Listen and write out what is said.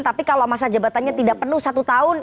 tapi kalau masa jabatannya tidak penuh satu tahun